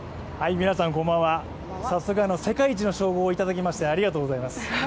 皆さんこんばんは、早速、世界一の称号をいただきまして、ありがとうございます。